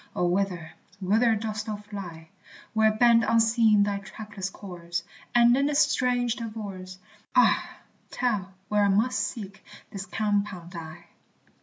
O, whither, whither dost thou fly, Where bend unseen thy trackless course, And in this strange divorce, Ah, tell where I must seek this compound I?